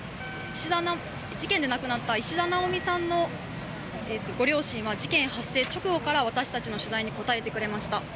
事件で亡くなった石田奈央美さんのご両親は事件発生直後から私たちの取材に答えてくれました。